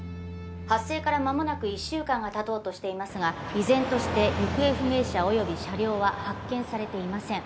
発生から間もなく１週間がたとうとしていますが依然として行方不明者および車両は発見されていません